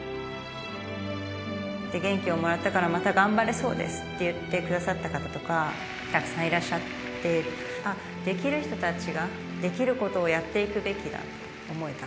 元気をもらったからまた頑張れそうですと言ってくださった方とかたくさんいらっしゃって、あっ、できる人たちができることをやっていくべきだと思えた。